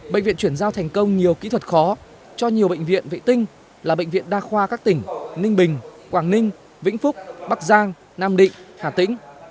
bệnh viện chuyển giao thành công nhiều kỹ thuật khó cho nhiều bệnh viện vệ tinh là bệnh viện đa khoa các tỉnh ninh bình quảng ninh vĩnh phúc bắc giang nam định hà tĩnh